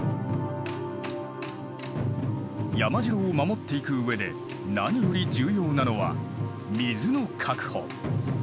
山城を守っていくうえで何より重要なのは水の確保。